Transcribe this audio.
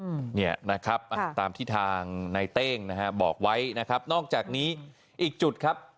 อืมเนี่ยนะครับอ่ะตามที่ทางในเต้งนะฮะบอกไว้นะครับนอกจากนี้อีกจุดครับ